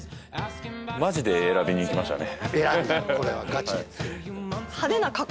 マジで選びにいきましたね